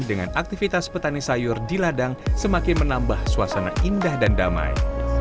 dengan aktivitas petani sayur di ladang semakin menambah suasana indah dan damai